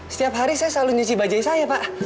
setiap hari saya selalu nyuci bajai saya pak